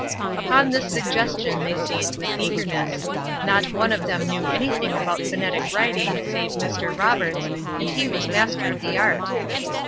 Upon this suggestion they seized with eagerness; not one of them knew anything about phonetic writing save Mr. Roberts, and he was master of the art.